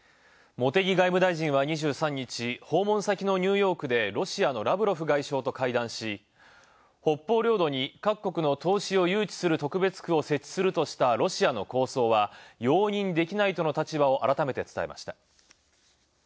茂木外務大臣は２３日、訪問先のニューヨークでロシアのラブロフ外相と会談し、北方領土に各国の投資を誘致する特別区を設置するとしたロシアの構想は容認できないとの立場を改めて伝えました。